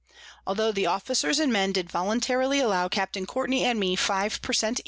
Altho the Officers and Men did voluntarily allow Capt. Courtney and me 5 _per Cent.